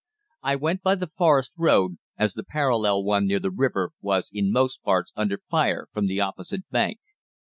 I went by the Forest road, as the parallel one near the river was in most parts under fire from the opposite bank.